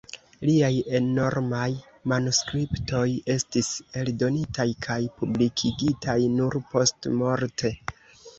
Liaj enormaj manuskriptoj estis eldonitaj kaj publikigitaj nur postmorte.